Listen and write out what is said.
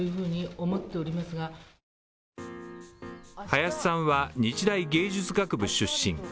林さんは日大芸術学部出身。